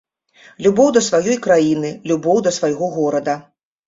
Любоў да сваёй краіны, любоў да свайго горада.